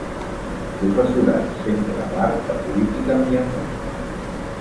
Professorat, Centre Bard de Política Ambiental.